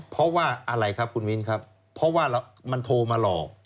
เพราะว่าอะไรครับคุณมิ้นครับเพราะว่ามันโทรมาหลอก